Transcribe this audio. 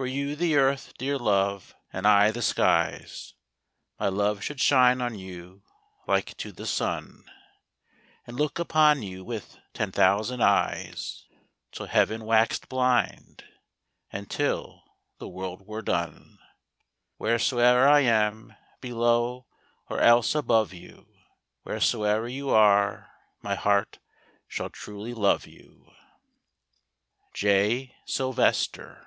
Were you the earth, dear Love, and I the skies, My love should shine on you like to the sun, And look upon you with ten thousand eyes Till heaven wax'd blind, and till the world were done. Whereso'er I am, below, or else above you, Whereso'er you are, my heart shall truly love you. J. Sylvester.